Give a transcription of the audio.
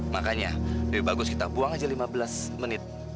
makanya lebih bagus kita buang aja lima belas menit